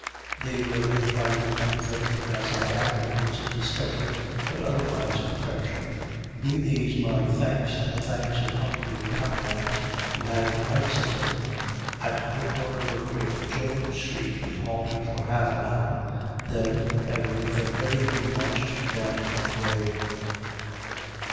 They were a trifle too thick, as I afterwards discovered, but otherwise perfection. Be these my thanks and the thanks of hungry comrades who had bites of them! At the corner of Great Jones Street we halted for half an hour, then, everything ready, we marched down Broadway.